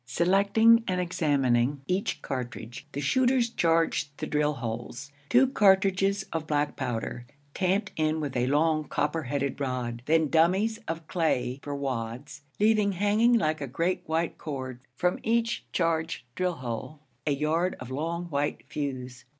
Selecting and examining each cartridge, the shooters charged the drill holes. Two cartridges of black powder, tamped in with a long copper headed rod; then dummies of clay for wads, leaving hanging like a great white cord from each charged drill hole a yard of the long, white fuse.